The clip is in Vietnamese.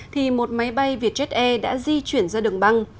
thì một máy bay vietjet air đã di chuyển ra đường băng